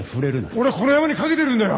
俺このヤマにかけてるんだよ！